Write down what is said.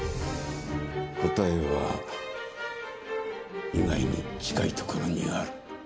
答えは意外に近いところにある。